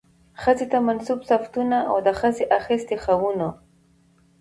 ښځې ته منسوب صفتونه او د ښځې اخىستي خوىونه